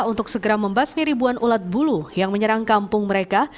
untuk segera membasmi ribuan ulat bulu yang menyerang kampung mereka